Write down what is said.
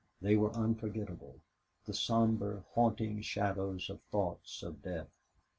They were unforgettable the somber, haunting shadows of thoughts of death.